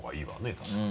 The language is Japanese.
確かに。